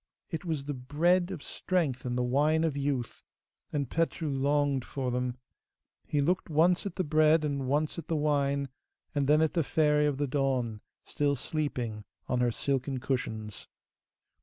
It was the bread of strength and the wine of youth, and Petru longed for them. He looked once at the bread and once at the wine, and then at the Fairy of the Dawn, still sleeping on her silken cushions.